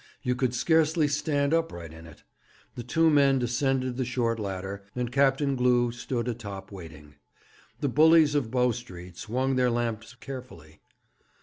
You could scarcely stand upright in it. The two men descended the short ladder, and Captain Glew stood atop waiting. The bullies of Bow Street swung their lamps carefully.